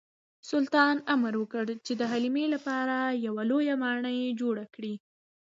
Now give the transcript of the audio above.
سلطان امر وکړ چې د حلیمې لپاره یوه لویه ماڼۍ جوړه کړي.